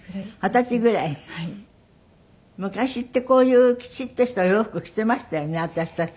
昔ってこういうきちっとしたお洋服着てましたよね私たち。